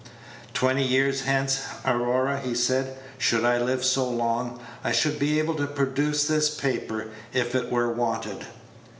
"Twenty years hence, Aurora," he said, "should I live so long, I should be able to produce this paper, if it were wanted."